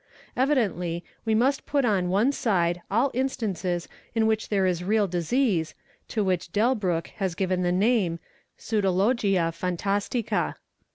Evidently, we must put on one side al instances in which there is real disease, to which Delbriick has eiver the name '' Pseudologia phantastica."